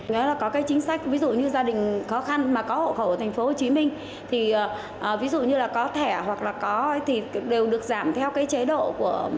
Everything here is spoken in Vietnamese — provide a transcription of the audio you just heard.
nếu là có cái chính sách ví dụ như gia đình khó khăn mà có hộ khẩu ở tp hcm thì ví dụ như là có thẻ hoặc là có thì đều được giảm theo cái chế độ của